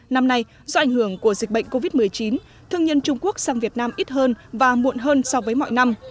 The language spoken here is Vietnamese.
năm nay do ảnh hưởng của dịch bệnh covid một mươi chín thương nhân trung quốc sang việt nam ít hơn và muộn hơn so với mọi năm